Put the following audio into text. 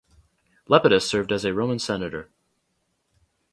Lepidus served as a Roman Senator.